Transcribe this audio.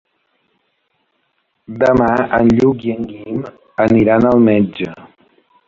Demà en Lluc i en Guim aniran al metge.